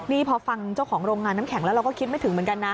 นี่พอฟังเจ้าของโรงงานน้ำแข็งแล้วเราก็คิดไม่ถึงเหมือนกันนะ